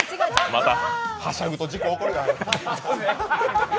また、はしゃぐと事故起こるよ？